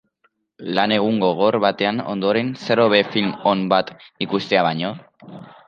Lan egun gogor baten ondoren zer hobe film on bat ikustea baino?